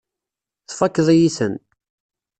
Tfakkeḍ-iyi-ten.